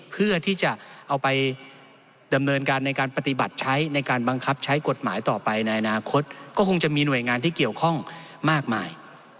เพื่อที่จะเอาไปดำเนินการในการปฏิบัติใช้ในการบังคับใช้กฎหมายต่อไปในอนาคตก็คงจะมีหน่วยงานที่เกี่ยวข้องมากมาย